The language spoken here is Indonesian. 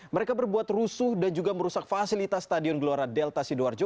mereka berbuat rusuh dan juga merusak fasilitas stadion gelora delta sidoarjo